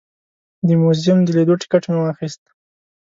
د موزیم د لیدو ټکټ مې واخیست.